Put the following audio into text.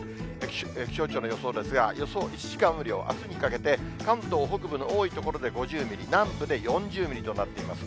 気象庁の予想ですが、予想１時間雨量、あすにかけて関東北部の多い所で５０ミリ、南部で４０ミリとなっています。